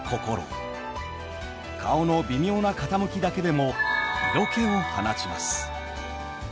顔の微妙な傾きだけでも色気を放ちます。